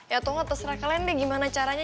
ya atau nggak terserah kalian deh gimana caranya